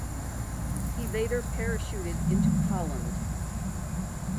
He later parachuted into Holland.